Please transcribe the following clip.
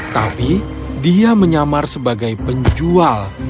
tapi dia menyamar sebagai penjual